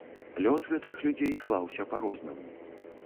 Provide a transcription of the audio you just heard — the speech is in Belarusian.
Лёс гэтых людзей склаўся па-рознаму.